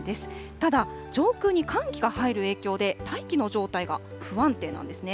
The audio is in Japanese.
ただ、上空に寒気が入る影響で、大気の状態が不安定なんですね。